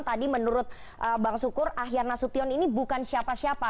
tadi menurut bang sukur ahyar nasution ini bukan siapa siapa